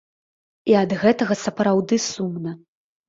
І ад гэтага сапраўды сумна.